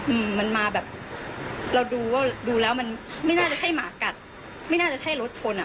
อืมมันมาแบบเราดูว่าดูแล้วมันไม่น่าจะใช่หมากัดไม่น่าจะใช่รถชนอ่ะ